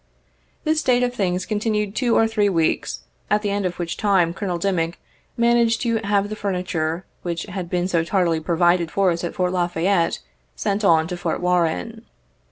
This state of things continued two or three weeks, at the end of which time, Colonel Dimick managed to have the furniture, which had been so tardily provided for us at Fort La Fayette, sent on to Fort Warren.